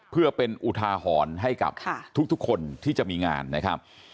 เพื่อเป็นอุทาหรณ์ให้กับทุกคนที่จะมีงานนะครับ